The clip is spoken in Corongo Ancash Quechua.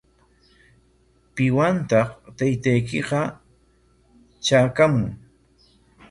¿Piwantaq taytaykiqa traykaamun?